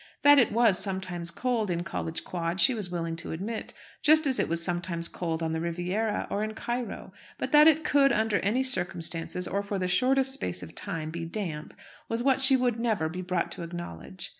That it was sometimes cold in College Quad she was willing to admit just as it was sometimes cold on the Riviera or in Cairo. But that it could, under any circumstances, or for the shortest space of time, be damp, was what she would never be brought to acknowledge.